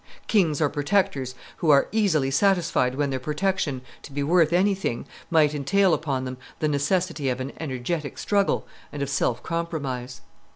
Kings are protectors who are easily satisfied when their protection, to be worth anything, might entail upon them the necessity of an energetic struggle and of self compromise.